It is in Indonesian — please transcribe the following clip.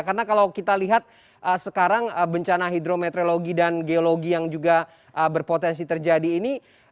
karena kalau kita lihat sekarang bencana hidrometeorologi dan geologi yang juga berpotensi terjadi ini